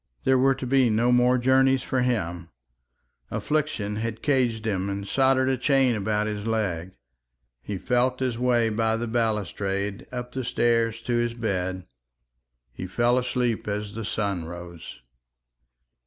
There were to be no more journeys for him; affliction had caged him and soldered a chain about his leg. He felt his way by the balustrade up the stairs to his bed. He fell asleep as the sun rose.